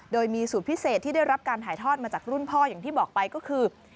โดยมีสูตรพิเศษที่ได้รับการถ่ายทอดมาจากรุ่นพ่ออย่างที่บอกไปก็คือ